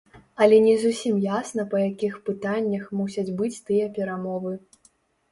Але не зусім ясна па якіх пытаннях мусяць быць тыя перамовы.